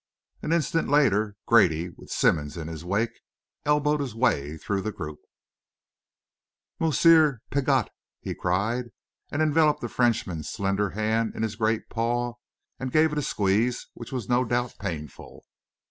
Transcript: An instant later, Grady, with Simmonds in his wake, elbowed his way through the group. "Moosseer Piggott!" he cried, and enveloped the Frenchman's slender hand in his great paw, and gave it a squeeze which was no doubt painful.